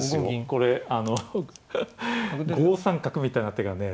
これあの５三角みたいな手がね